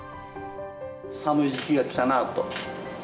寒い時期が来たなと。